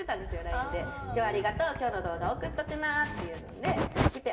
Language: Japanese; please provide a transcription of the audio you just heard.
今日はありがとう今日の動画送っとくなってきて。